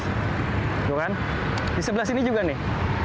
tidak bukan di sebelah sini juga nih